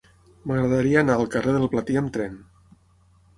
M'agradaria anar al carrer del Platí amb tren.